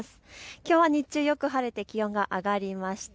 きょうは日中よく晴れて気温が上がりました。